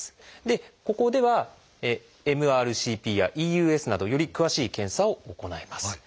でここではＭＲＣＰやＥＵＳなどより詳しい検査を行います。